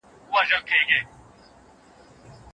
ژوند د ټولو انسانانو لپاره یو مقدس حق دی.